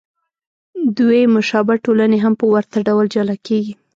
دوې مشابه ټولنې هم په ورته ډول جلا کېږي.